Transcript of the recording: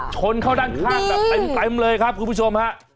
ชนเข้าด้านข้างแบบเต็มเลยครับคุณผู้ชมฮะ